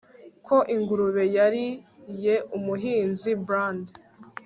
ko ingurube yariye umuhinzi bland